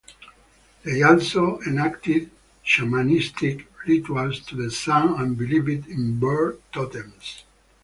They also enacted shamanistic rituals to the sun and believed in bird totems.